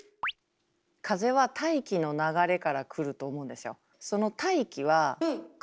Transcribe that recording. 風は大気の流れからくると思うんですよ。